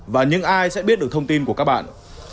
và những ai sẽ biết được thông tin của các bạn